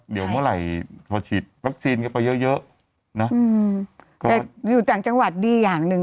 เดี๋ยวเมื่อไหร่พอฉีดวัคซีนเข้าไปเยอะเยอะนะอืมแต่อยู่ต่างจังหวัดดีอย่างหนึ่ง